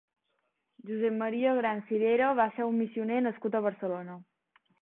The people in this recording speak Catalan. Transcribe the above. Josep Maria Gran Cirera va ser un missioner nascut a Barcelona.